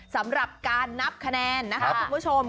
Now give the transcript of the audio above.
สำหรับการนับคะแนนนะคะคุณผู้ชม